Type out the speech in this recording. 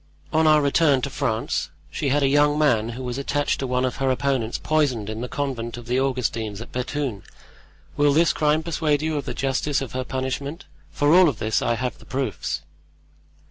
"On our return to France she had a young woman who was attached to one of her opponents poisoned in the convent of the Augustines at Bethune. Will this crime persuade you of the justice of her punishment—for of all this I have the proofs?"